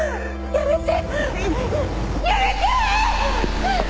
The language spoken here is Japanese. やめて！